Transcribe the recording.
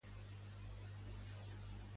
On va marxar Fafnir?